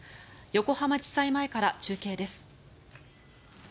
横浜地裁前から中継です。